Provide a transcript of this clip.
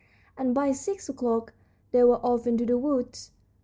and by six o'clock they were off into the woods.